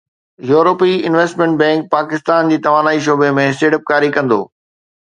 يورپي investment bank Pakistan جي توانائي شعبي ۾ سيڙپڪاري ڪندو